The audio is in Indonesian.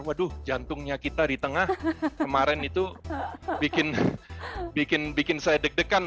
waduh jantungnya kita di tengah kemarin itu bikin saya deg degan